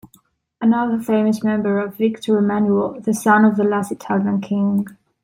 Another famous member was Victor Emmanuel, the son of the last Italian king.